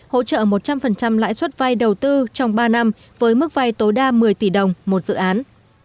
hỗ trợ một trăm linh lãi suất vay đầu tư trong ba năm với mức vay tối đa một mươi tỷ đồng một dự án